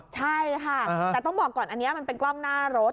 ใช่ค่ะแต่ต้องบอกก่อนอันนี้มันเป็นกล้องหน้ารถ